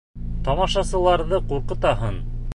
Тамашасыларҙы ҡурҡытаһың!